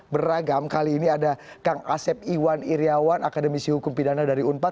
beragam kali ini ada kang asep iwan iryawan akademisi hukum pidana dari unpad